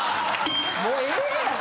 もうええやん！